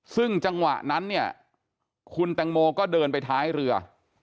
ซึ่งจังหวะนั้นเนี่ยคุณแตงโมก็เดินไปท้ายเรือ